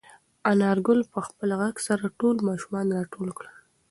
انارګل په خپل غږ سره ټول ماشومان راټول کړل.